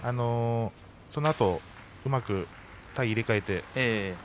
そのあと、うまく体を入れ替えて。